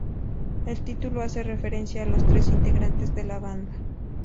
El título hace referencia a los tres integrantes de la banda.